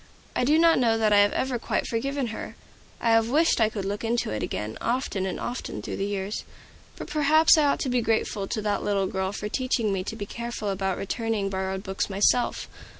I do not know that I have ever quite forgiven her. I have wished I could look into it again, often and often through the years. But perhaps I ought to be grateful to that little girl for teaching me to be careful about returning borrowed books myself.